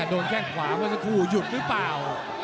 โดนแข้งขวาส่วนสักครู่หยุดหรือเปล่า